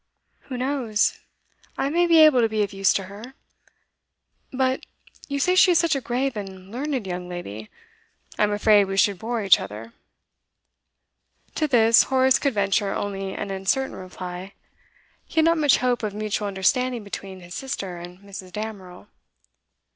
'Who knows? I may be able to be of use to her. But, you say she is such a grave and learned young lady? I am afraid we should bore each other.' To this, Horace could venture only an uncertain reply. He had not much hope of mutual understanding between his sister and Mrs. Damerel.